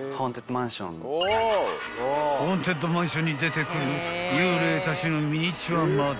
［ホーンテッドマンションに出てくる幽霊たちのミニチュアまで］